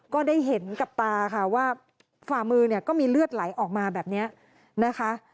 ก็ได้เห็นกับตาค่ะว่าฝ่ามือเนี่ยก็มีเลือดไหลออกมาแบบนี้นะคะ